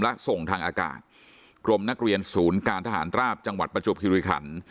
และส่งทางอากาศกรมนักเรียนศูนย์การทหารราบจังหวัดประจวบคิริขัน